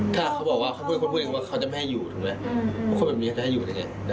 ถ้าเขาบอกว่าคุณพุคอย่างคือไม่ให้อยู่เพราะความแบบนี้เราก็คืนอยู่นั่งไง